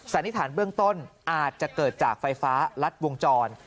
สันนิษฐานเบื้องต้นอาจจะเกิดจากไฟฟ้ารัดวงจร